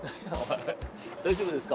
大丈夫ですか？